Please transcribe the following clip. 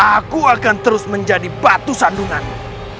aku akan terus menjadi batu sandunganmu